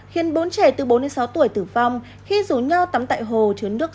khiến bốn trẻ từ bốn đến sáu tuổi tử vong khi rủ nhau tắm tại hồ chứa nước